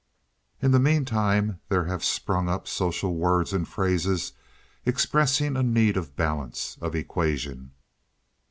In the mean time there have sprung up social words and phrases expressing a need of balance—of equation.